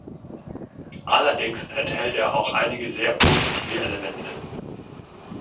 Allerdings enthält er auch einige sehr positive Elemente.